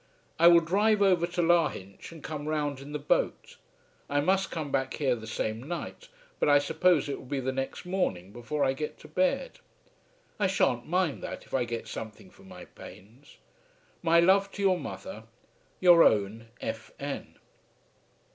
I will drive over to Lahinch, and come round in the boat. I must come back here the same night, but I suppose it will be the next morning before I get to bed. I sha'n't mind that if I get something for my pains. My love to your mother. Your own, F. N.